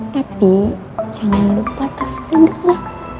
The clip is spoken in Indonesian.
tapi jangan lupa tas pendeknya